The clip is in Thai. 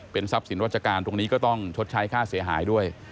ทรัพย์สินวัชการตรงนี้ก็ต้องชดใช้ค่าเสียหายด้วย